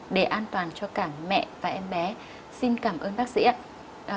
để an toàn cho cả mẹ và em bé xin cảm ơn bác sĩ ạ